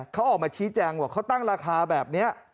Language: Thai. เขาออกมาชี้แจงว่าเขาตั้งราคาแบบนี้